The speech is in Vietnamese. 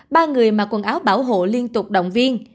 ba người mà quần áo bảo hộ liên tục động viên